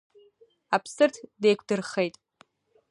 Аԥсырҭ деиқәдырхеит.